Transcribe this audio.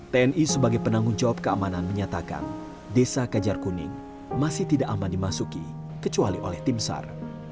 tni sebagai penanggung jawab keamanan menyatakan desa kajar kuning masih tidak aman dimasuki kecuali oleh tim sar